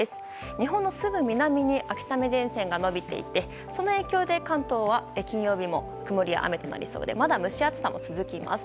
日本のすぐ南に秋雨前線が延びていてその影響で関東は金曜日も曇りや雨となりそうでまだ蒸し暑さも続きます。